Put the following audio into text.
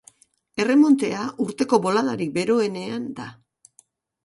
Erremontea urteko boladarik beroenean da.